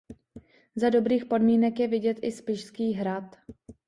Za dobrých podmínek je vidět i Spišský hrad.